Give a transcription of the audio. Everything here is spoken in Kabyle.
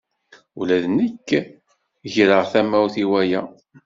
Ula d nekk greɣ tamawt i waya.